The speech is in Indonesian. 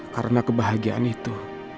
karena kebahagiaan itu